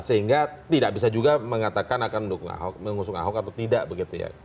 sehingga tidak bisa juga mengatakan akan mendukung ahok mengusung ahok atau tidak begitu ya